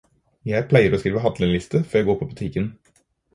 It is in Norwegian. Jeg pleier å skrive handleliste før jeg går på butikken.